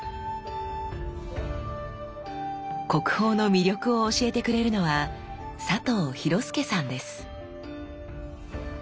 国宝の魅力を教えてくれるのは佐藤寛介さんです。